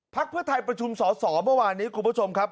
เพื่อไทยประชุมสอสอเมื่อวานนี้คุณผู้ชมครับ